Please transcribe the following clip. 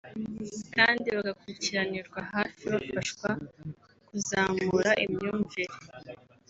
kandi bagakurikiranirwa hafi bafashwa kuzamura imyumvire